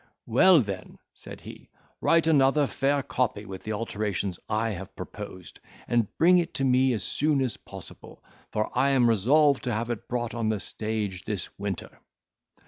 "Well, then," said he, "write another fair copy with the alterations I have proposed, and bring it to me as soon as possible; for I am resolved to have it brought on the stage this winter."